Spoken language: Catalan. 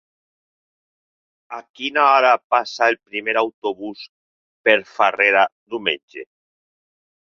A quina hora passa el primer autobús per Farrera diumenge?